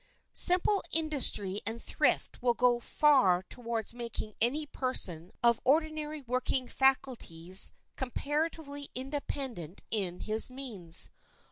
Simple industry and thrift will go far towards making any person of ordinary working faculties comparatively independent in his means.